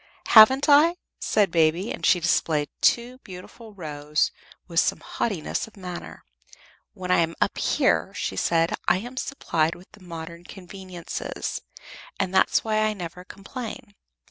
"Haven't I?" said Baby, and she displayed two beautiful rows with some haughtiness of manner. "When I am up here," she said, "I am supplied with the modern conveniences, and that's why I never complain.